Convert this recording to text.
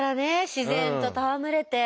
自然と戯れて。